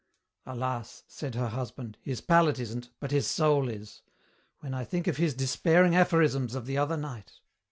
"Alas!" said her husband, "his palate isn't, but his soul is. When I think of his despairing aphorisms of the other night!